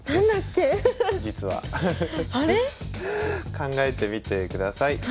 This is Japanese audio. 考えてみてください。